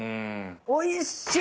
おいしっ！